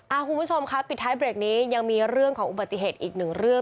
คุณผู้ชมครับปิดท้ายเบรกนี้ยังมีเรื่องของอุบัติเหตุอีกหนึ่งเรื่อง